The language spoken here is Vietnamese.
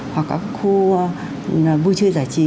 hoặc các khu vui chơi giải trí